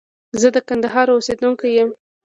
زه د کندهار اوسيدونکي يم.